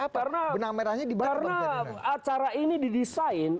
karena acara ini didesain